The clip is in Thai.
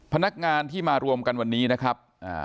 พนักงานที่มารวมกันวันนี้นะครับ